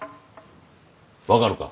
わかるか？